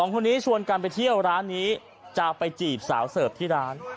คนนี้ชวนกันไปเที่ยวร้านนี้จะไปจีบสาวเสิร์ฟที่ร้าน